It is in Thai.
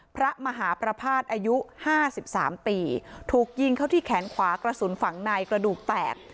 พระมหาประภาษณ์อายุ๕๓ปีถูกยิงเข้าที่แขนขวากระสุนฝั่งในกระดูกแตก